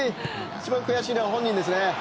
一番悔しいのは本人ですね。